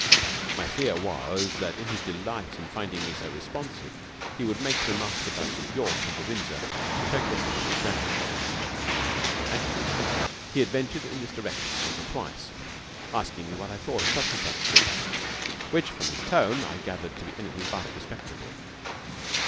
My fear was that in his delight in finding me so responsive he would make remarks about New York and the Windsor which I could not understand. And, indeed, he adventured in this direction once or twice, asking me what I thought of such and such streets, which from his tone I gathered to be anything but respectable.